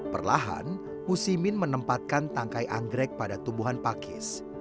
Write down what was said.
perlahan musimin menempatkan tangkai anggrek pada tumbuhan pakis